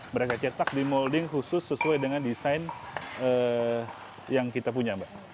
mereka cetak di molding khusus sesuai dengan desain yang kita punya mbak